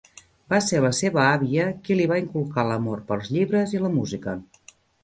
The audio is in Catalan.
Va ser la seva àvia qui li va inculcar l'amor pels llibres i la música.